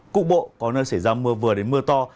cục bộ có nơi xảy ra mưa vừa đến mưa to